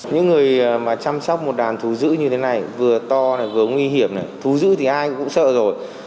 những người mà chăm sóc một đàn thù giữ như thế này vừa to này vừa nguy hiểm này thú giữ thì ai cũng sợ rồi